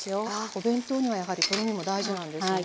お弁当にはやはりとろみも大事なんですね。